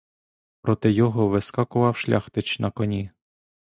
Проти його вискакував шляхтич на коні.